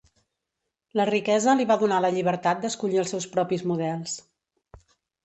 La riquesa li va donar la llibertat d'escollir els seus propis models.